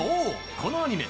このアニメ